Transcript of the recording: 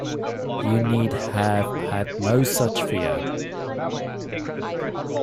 You need have had no such fear.